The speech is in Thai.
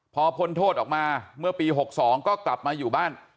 พอพ้นโทษออกมาเมื่อปี๖๒ก็กลับมาอยู่บ้าน